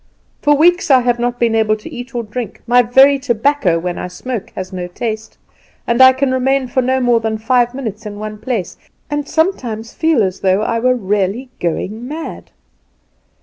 For weeks I have not been able to eat or drink; my very tobacco when I smoke has no taste; and I can remain for no more than five minutes in one place, and sometimes feel as though I were really going mad.